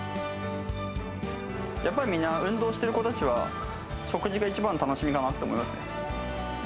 やっぱりみんな、運動してる子たちは、食事が一番の楽しみかなって思いますね。